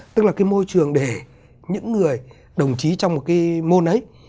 tức là cái môi trường để những người đồng chí trong một cái môn ấy